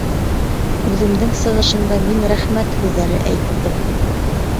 Үҙемдең сығышымда мин рәхмәт һүҙҙәре әйттем